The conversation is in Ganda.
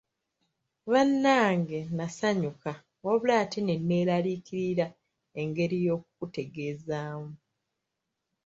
Bannange nasanyuka wabula ate ne neeraliikirira engeri y'okukutegeezaamu.